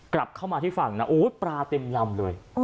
กลับเข้ามาที่ฝั่งนะโอ้ยปลาเต็มลำเลย